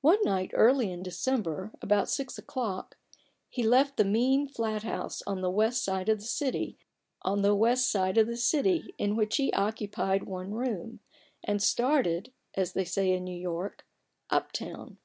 One night early in December, about six o'clock, he left the mean flat house on the west side of the city in which he occupied one room, and started (as they say in New York) " up town."